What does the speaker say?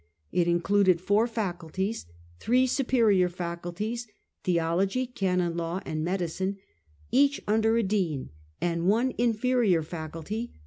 It included four faculties: three superior faculties, Theology, Canon Law, and Medicine, each under a dean, and one inferior faculty.